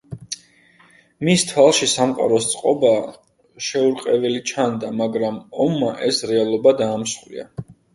მის თვალში სამყაროს წყობა შეურყეველი ჩანდა, მაგრამ ომმა ეს რეალობა დაამსხვრია.